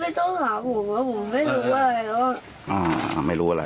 ไม่ต้องหาผมผมไม่รู้อะไร